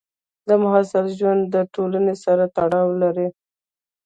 د محصل ژوند د ټولنې سره تړاو لري.